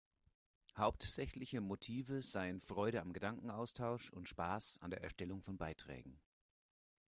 Hauptsächliche Motive seien Freude am Gedankenaustausch und Spaß an der Erstellung von Beiträgen.